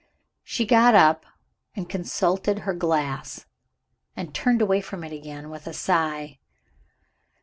She got up, and consulted her glass and turned away from it again, with a sigh.